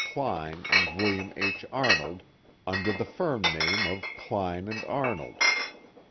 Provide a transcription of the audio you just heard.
Kline and William H. Arnold, under the firm name of Kline & Arnold.